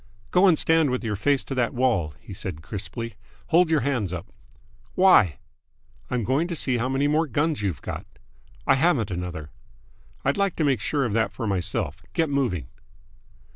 "Go and stand with your face to that wall," he said crisply. "Hold your hands up!" "Why?" "I'm going to see how many more guns you've got." "I haven't another." "I'd like to make sure of that for myself. Get moving!"